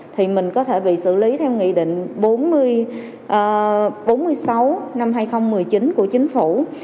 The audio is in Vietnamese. thì mình có thể bị xử lý theo nghị định bốn mươi bốn năm hai nghìn một mươi chín của chính phủ